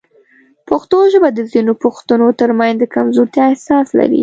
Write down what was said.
پښتو ژبه د ځینو پښتنو ترمنځ د کمزورتیا احساس لري.